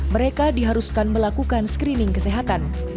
mereka diharuskan melakukan screening kesehatan